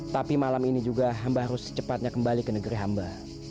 tapi malam ini juga hamba harus secepatnya kembali ke negeri hamba